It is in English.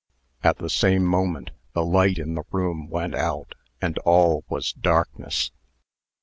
At the same moment, the light in the room went out, and all was darkness.